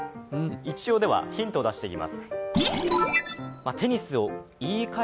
一応ヒントを出していきます。